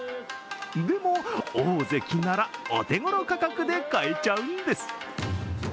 でも、オオゼキならお手ごろ価格で買えちゃうんです。